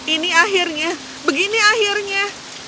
ini akhirnya begini akhirnya